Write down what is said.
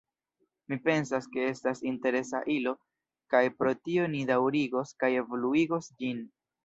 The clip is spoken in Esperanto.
Mi pensas ke estas interesa ilo, kaj pro tio ni daŭrigos kaj evoluigos ĝin.